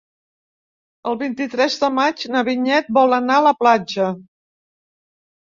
El vint-i-tres de maig na Vinyet vol anar a la platja.